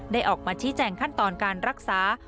ออกมาชี้แจงขั้นตอนการรักษา